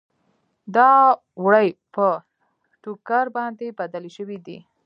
دا وړۍ په ټوکر باندې بدلې شوې دي.